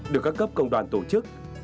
được các cấp công đoàn tổ chức